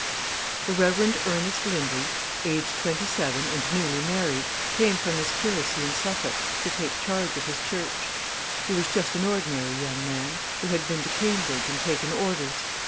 The Reverend Ernest Lindley, aged twenty seven, and newly married, came from his curacy in Suffolk to take charge of his church. He was just an ordinary young man, who had been to Cambridge and taken orders.